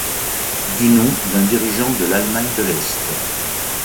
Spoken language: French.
Du nom d'un dirigeant de l'Allemagne de l'Est.